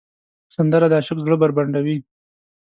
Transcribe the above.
سندره د عاشق زړه بربنډوي